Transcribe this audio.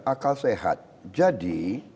akal sehat jadi